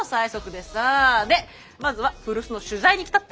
でまずは古巣の取材に来たってわけ。